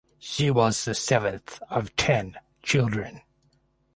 She was the seventh of ten children.